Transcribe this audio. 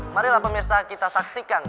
marilah pemirsa kita saksikan